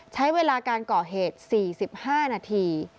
ใช้เวลาการก่อเหตุ๔๕นาที